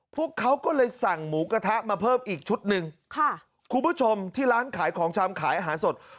พวกเขาก็เลยสั่งหมูกระทะมาเพิ่มอีกชุดหนึ่งค่ะคุณผู้ชมที่ร้านขายของชำขายอาหารสด